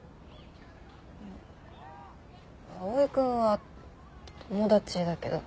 蒼くんは友達だけど。